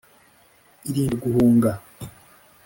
irinde guhunga.